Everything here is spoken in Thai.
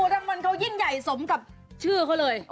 รางวัลเขายิ่งใหญ่สมกับชื่อเขาเลย